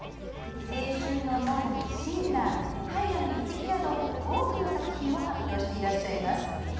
「青春の門」、「親鸞」「大河の一滴」など多くの作品を発表していらっしゃいます。